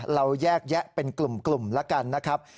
เราแยกแยะเป็นกลุ่มแล้วกันนะครับ